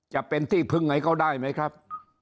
จะเป็นที่พึ่งให้เขาได้ไหมครับ